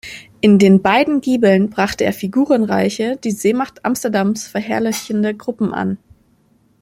In den beiden Giebeln brachte er zwei figurenreiche, die Seemacht Amsterdams verherrlichende Gruppen an.